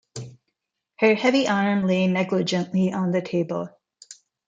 Her heavy arm lay negligently on the table.